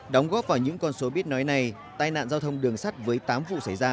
đóng góp vào những con số biết nói này tai nạn giao thông đường sắt với tám vụ xảy ra